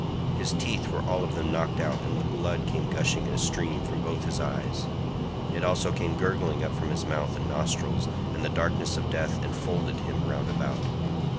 His teeth were all of them knocked out and the blood came gushing in a stream from both his eyes; it also came gurgling up from his mouth and nostrils, and the darkness of death enfolded him round about.